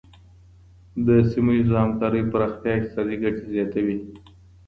د سیمه ییزو همکاریو پراختیا اقتصادي ګټي زیاتوي.